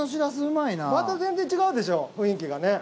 また全然違うでしょ雰囲気がね。